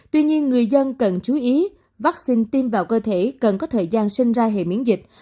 tuy nhiên người dân cần chú ý vaccine tiêm vào cơ thể cần có thời gian sinh ra hệ miễn dịch